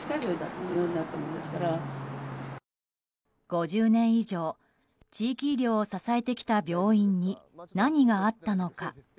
５０年以上地域医療を支えてきた病院に何があったのか。